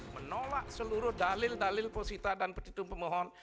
menolak seluruh dalil dalil posisita dan petitum pemohon